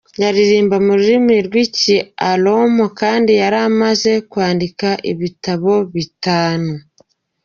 Yaririmba mu rurimi rw'iki Oromoo kandi yaramaze kwandika ibitabo bitanu.